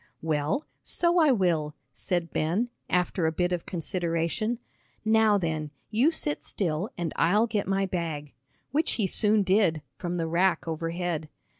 "Well, so I will," said Ben, after a bit of consideration. "Now then, you sit still and I'll get my bag," which he soon did, from the rack overhead.